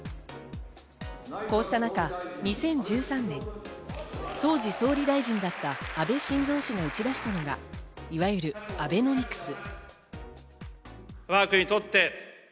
こうしたなか２０１３年、当時、総理大臣だった安倍晋三氏が打ち出したのが、いわゆるアベノミクス。